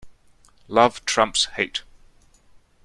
Love trumps hate.